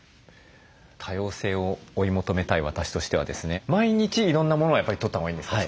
多様性を追い求めたい私としてはですね毎日いろんなものをやっぱりとったほうがいいんですか？